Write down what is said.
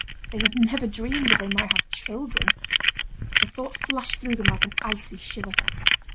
They had never dreamed that they might have children. The thought flashed through them like an icy shiver.